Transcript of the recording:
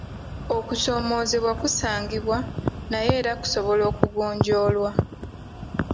Okusoomoozebwa kusangibwa naye era kusobola okugonjoolwa.